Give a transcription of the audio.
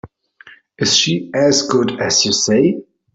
Is she as good as you say?